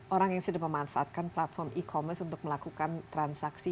orang yang sudah memanfaatkan platform e commerce untuk melakukan transaksi